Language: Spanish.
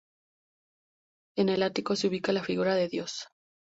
En el ático se ubica la figura de Dios.